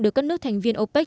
được các nước thành viên opec